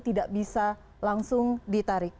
tidak bisa langsung ditarik